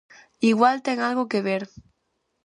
Igual ten algo que ver.